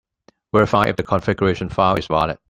Verify if the configuration file is valid.